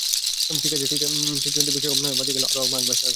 ঠিক আছে, টি–টোয়েন্টি বিশ্বকাপ নাহয় বাদই গেল, আরও মাঘ মাস আসবে।